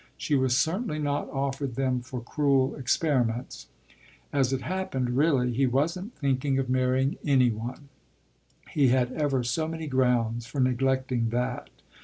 She was certainly not offered them for cruel experiments. As it happened, really, he wasn't thinking of marrying any one he had ever so many grounds for neglecting that.